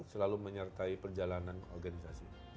selalu menyertai perjalanan organisasi